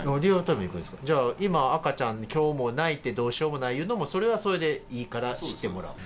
じゃあ、今、赤ちゃん、きょうも泣いてどうしようもないいうのも、それはそれでいいから知ってもらう？